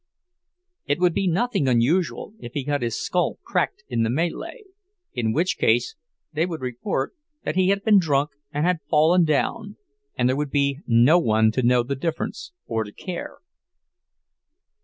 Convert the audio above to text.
It would be nothing unusual if he got his skull cracked in the mêlée—in which case they would report that he had been drunk and had fallen down, and there would be no one to know the difference or to care.